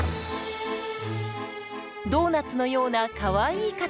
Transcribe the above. ドーナツのようなかわいい形。